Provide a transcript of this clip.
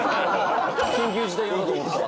緊急事態用だと思ってた。